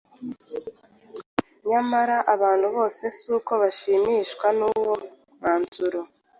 Nyamara, abantu bose siko bashimishijwe n’uwo mwanzuro.